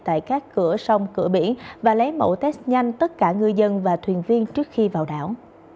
tại các cửa sông cửa biển và lấy mẫu test nhanh tất cả ngư dân và thuyền viên trước khi vào đảo